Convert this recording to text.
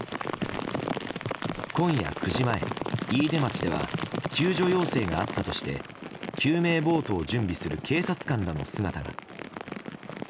今夜９時前、飯豊町では救助要請があったとして救命ボートを準備する警察官の姿も。